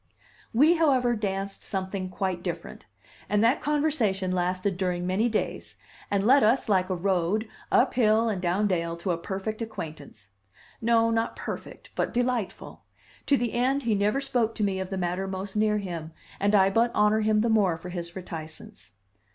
We, however, danced something quite different, and that conversation lasted during many days, and led us, like a road, up hill and down dale to a perfect acquaintance. No, not perfect, but delightful; to the end he never spoke to me of the matter most near him, and I but honor him the more for his reticence.